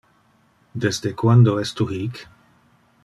Desde quando es tu hic?